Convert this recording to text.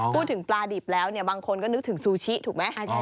พูดถึงปลาดิบแล้วเนี่ยบางคนก็นึกถึงซูชิถูกไหม